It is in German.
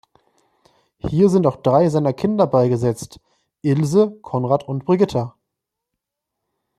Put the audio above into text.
Hier sind auch drei seiner Kinder beigesetzt: Ilse, Konrad und Brigitta.